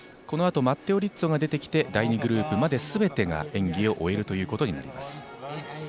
このあとマッテオ・リッツォが出てきて第２グループまで、すべて演技を終えることになります。